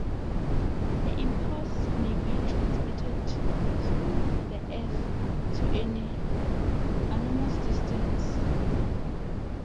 The impulse may be transmitted through the earth to an enormous distance.